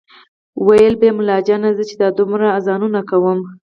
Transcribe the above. ویل به ملا جان زه چې دا دومره اذانونه کوم